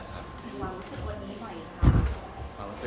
ความรู้สึกวันนี้เป็นไง